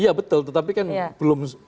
iya betul tetapi kan belum secara serius